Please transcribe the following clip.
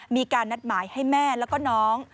มีการนัดหมายให้แม่แล้วก็น้อง